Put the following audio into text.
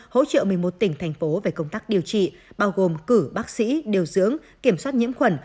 hỗ trợ một mươi một tỉnh thành phố về công tác điều trị bao gồm cử bác sĩ điều dưỡng kiểm soát nhiễm khuẩn